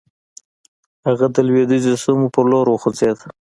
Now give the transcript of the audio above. هغه د لويديځو سيمو پر لور وخوځېد.